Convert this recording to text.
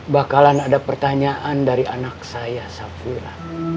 bakalan ada pertanyaan dari anak saya sapura